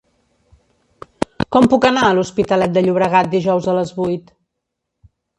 Com puc anar a l'Hospitalet de Llobregat dijous a les vuit?